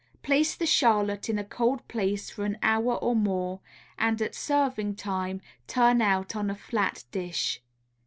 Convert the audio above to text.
Place the charlotte in a cold place for an hour or more, and at serving time turn out on a flat dish.